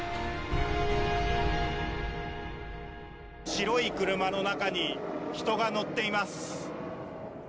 白い車の中に人が乗っています。